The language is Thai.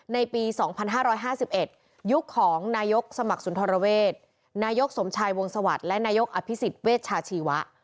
ในปี๒๕๕๑ยุคของนายกสมัครสุนทรเวทนายกสมชายวงสวัสดิ์และนายกอภิษฎเวชาชีวะ